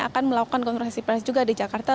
akan melakukan konversasi press juga di jakarta